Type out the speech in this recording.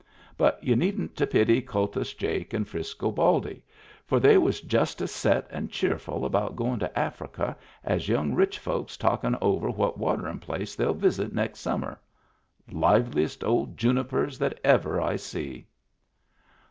But y'u needn't to pity Kultus Jake and Frisco Baldy, for they was just as set and cheerful about goin' to Africa as young rich folks talkin' over what waterin' place they'll visit next summer. Liveliest old junipers that ever I see